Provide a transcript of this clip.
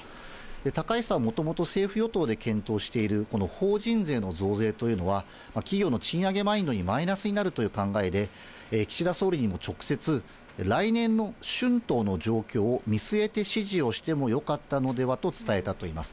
高市さんはもともと、政府・与党で検討している、この法人税の増税というのは、企業の賃上げマインドにマイナスになるという考えで、岸田総理にも直接、来年の春闘の状況を見据えて指示をしてもよかったのではと伝えたといいます。